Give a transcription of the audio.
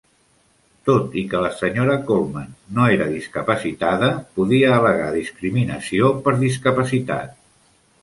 Tot i que la senyora Coleman no era discapacitada, podia al·legar discriminació per discapacitat.